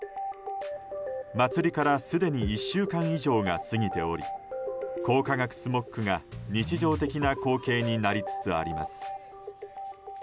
祭りからすでに１週間以上が過ぎており光化学スモッグが日常的な光景になりつつあります。